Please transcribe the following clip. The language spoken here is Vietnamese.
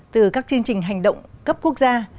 từ các chương trình hành động cấp quốc gia